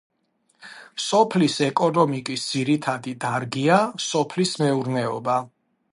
სოფლის ეკონომიკის ძირითადი დარგია სოფლის მეურნეობა.